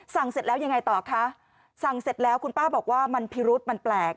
เสร็จแล้วยังไงต่อคะสั่งเสร็จแล้วคุณป้าบอกว่ามันพิรุษมันแปลก